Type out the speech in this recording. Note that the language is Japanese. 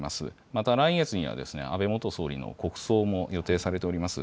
また来月には、安倍元総理の国葬も予定されております。